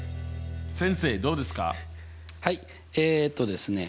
先生どうですか？